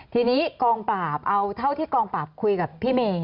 ทีนี้กองปราบเอาเท่าที่กองปราบคุยกับพี่เมย์